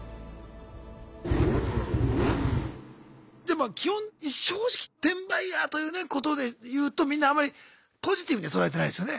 ま基本正直転売ヤーというねことでいうとみんなあんまりポジティブには捉えてないですよね。